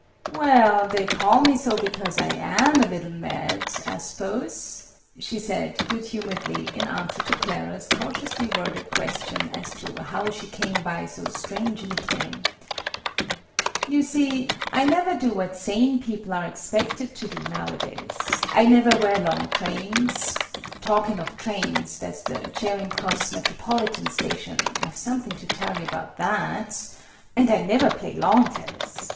"Well, they call me so because I am a little mad, I suppose," she said, good humouredly, in answer to Clara's cautiously worded question as to how she came by so strange a nick name. "You see, I never do what sane people are expected to do now a days. I never wear long trains, (talking of trains, that's the Charing Cross Metropolitan Station I've something to tell you about that), and I never play lawn tennis.